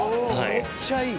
［めっちゃいい］